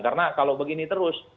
karena kalau begini terus